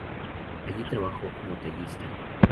Allí trabajó como tallista.